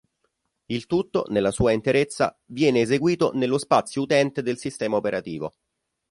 Il tutto, nella sua interezza, viene eseguito nello spazio utente del sistema operativo.